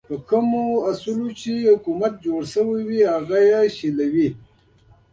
په کومو اصولو چې حکومت جوړ شوی وي هغه یې شلوي.